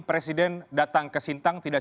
presiden datang ke sintang tidak